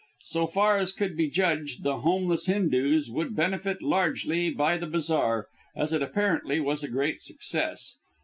So far as could be judged, the Homeless Hindoos would benefit largely by the bazaar, as it apparently was a great success.